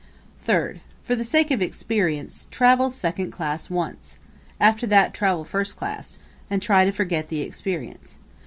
Third For the sake of the experience, travel second class once; after that travel first class and try to forget the experience.